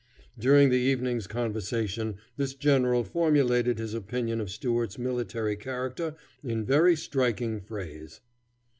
During the evening's conversation this general formulated his opinion of Stuart's military character in very striking phrase.